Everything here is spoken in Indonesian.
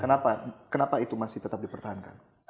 kenapa kenapa itu masih tetap dipertahankan